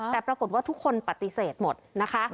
แต่ปรากฏว่าทุกคนปฏิเสธหมดนะคะ